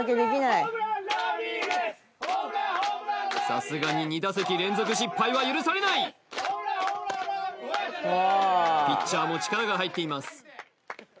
さすがに２打席連続失敗は許されないピッチャーも力が入っています